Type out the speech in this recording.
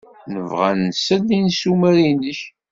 Nebɣa ad nsel i yissumar-nnek.